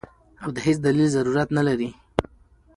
او د هېڅ دليل ضرورت نۀ لري -